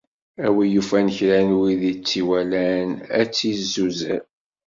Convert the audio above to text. A wi yufan kra n win i tt-iwalan ad tt-yezzuzer.